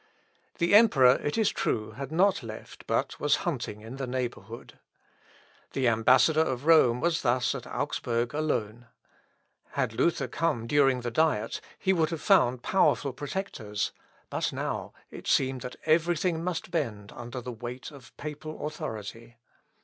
The Emperor, it is true, had not left but was hunting in the neighbourhood. The ambassador of Rome was thus at Augsburg alone. Had Luther come during the Diet, he would have found powerful protectors, but now it seemed that every thing must bend under the weight of papal authority.